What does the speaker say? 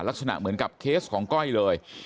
ลักษณะเหมือนกับเคสของก้อยเลย